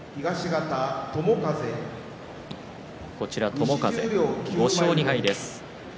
友風は５勝２敗です。